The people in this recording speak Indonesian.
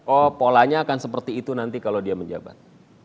oh polanya akan seperti itu nanti kalau dia menjabat